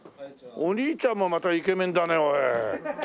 お兄ちゃんもまたイケメンだねおい。